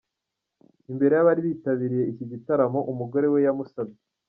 Imbere y’abari bitabiriye iki gitaramo, umugore we yamusabye.